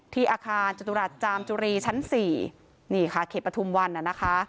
อาคารจตุรัสจามจุรีชั้น๔นี่ค่ะเขตปฐุมวันน่ะนะคะ